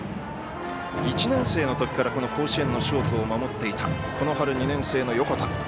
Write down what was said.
１年生のときから甲子園のショートを守っていたこの春２年生の横田。